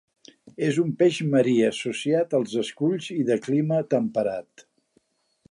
És un peix marí, associat als esculls i de clima temperat.